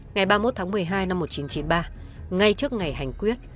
ngày ba mươi một một mươi hai một nghìn chín trăm chín mươi ba ngay trước ngày hành quyết